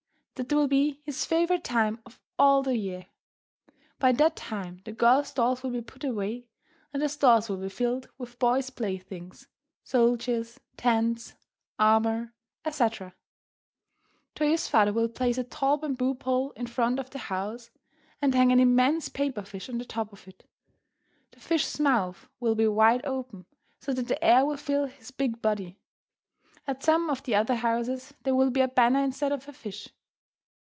That will be his favourite time of all the year. By that time the girls' dolls will be put away, and the stores will be filled with boys' playthings, soldiers, tents, armour, etc. Toyo's father will place a tall bamboo pole in front of the house, and hang an immense paper fish on the top of it. The fish's mouth will be wide open, so that the air will fill his big body. At some of the other houses there will be a banner instead of a fish.